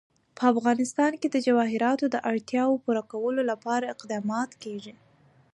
په افغانستان کې د جواهرات د اړتیاوو پوره کولو لپاره اقدامات کېږي.